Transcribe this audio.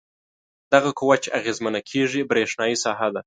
دغه قوه چې اغیزمنه کیږي برېښنايي ساحه ده.